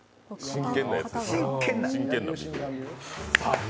真剣な。